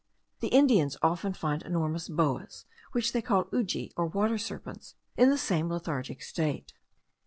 The Indians often find enormous boas, which they call uji, or water serpents,* in the same lethargic state.